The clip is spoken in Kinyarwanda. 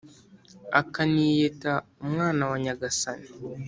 ikaniyita umwana wa Nyagasani.